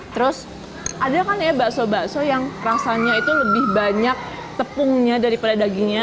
terus ada kan ya bakso bakso yang rasanya itu lebih banyak tepungnya daripada dagingnya